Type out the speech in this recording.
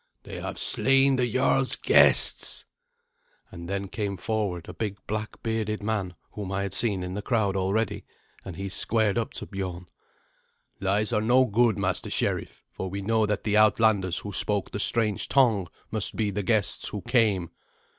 "They have slain the jarl's guests." And then came forward a big black bearded man whom I had seen in the crowd already, and he squared up to Biorn. "Lies are no good, master sheriff, for we know that the outlanders who spoke the strange tongue must be the guests who came."